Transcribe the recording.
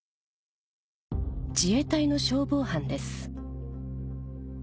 自衛隊の消防班です